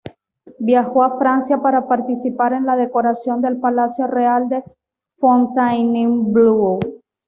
Viajó a Francia, para participar en la decoración del Palacio Real de Fontainebleau.